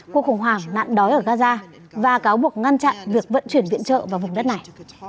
cuộc khủng hoảng nạn đói ở gaza và cáo buộc ngăn chặn việc vận chuyển viện trợ vào vùng đất này